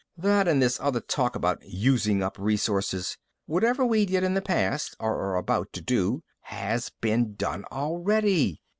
"That and this other talk about using up resources. Whatever we did in the past or are about to do has been done already.